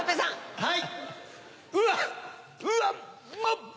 はい。